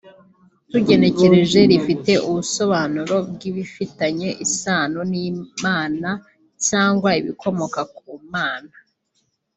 tugenekereje rifite ubusobanuro bw’ibifitanye isano n’Imana cyangwa ibikomoka ku Mana